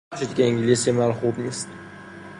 ببخشید که انگلیسی من خوب نیست!